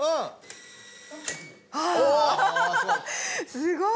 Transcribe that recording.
すごい！